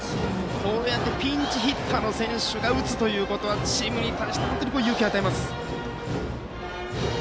こうやってピンチヒッターの選手が打つことはチームに対して本当に勇気を与えます。